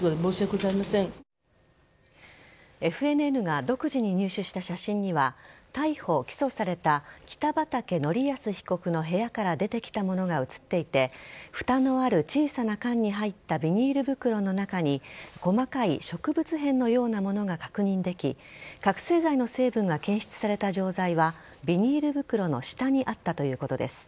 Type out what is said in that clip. ＦＮＮが独自に入手した写真には逮捕・起訴された北畠成文被告の部屋から出てきたものが写っていてふたのある小さな缶に入ったビニール袋の中に細かい植物片のようなものが確認でき覚醒剤の成分が検出された錠剤はビニール袋の下にあったということです。